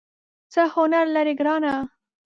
څه هنر لرې ګرانه ؟